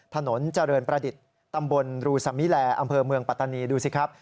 ถนนเจริญประดิษฐ์ตำบลรูสมิแลอำเภอเมืองปัตตานีดูสิครับ